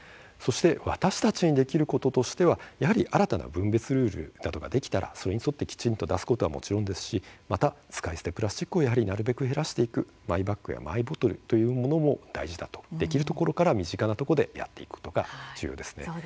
私たちにできることとしては新たな分別ルールなどができたらそれに沿ってきちんと出すことはもちろん使い捨てプラスチックをなるべく減らしていくマイバッグ、マイボトルというものも大事だとできるところ、身近なところからやっていくことが重要です。